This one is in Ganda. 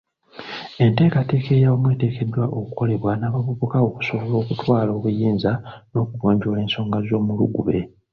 Enteekateeka eyawamu eteekeddwa okukolebwa n'abavubuka okusobola okutwala obuyinza n'okugonjoola ensonga z'omulugube.